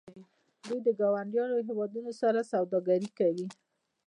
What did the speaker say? دوی له ګاونډیو هیوادونو سره سوداګري کوي.